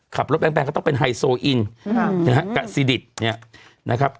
ขับรถแปลงก็ต้องเป็นไฮโซอินกะสิดิตนะครับ